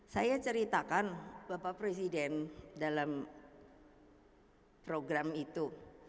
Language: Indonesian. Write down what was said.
saya ceritakan bapak presiden dalam program itu